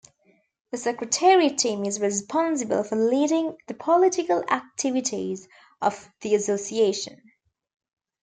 The Secretariat team is responsible for leading the political activities of the association.